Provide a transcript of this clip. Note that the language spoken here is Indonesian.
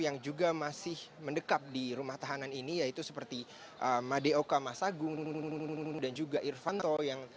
yang juga masih mendekat di rumah tahanan ini yaitu seperti madeoka masagung dan juga irvanto